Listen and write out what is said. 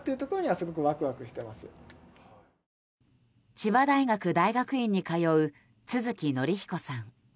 千葉大学大学院に通う都築則彦さん。